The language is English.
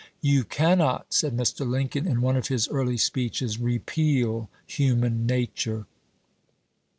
" You cannot," said Mr. Lincoln in one of his early speeches, " repeal human nature."